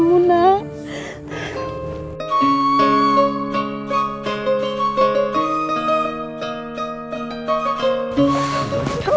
mama juga kangen sama kamu